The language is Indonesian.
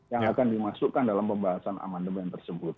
yang akan dimasukkan dalam pembahasan amandemen tersebut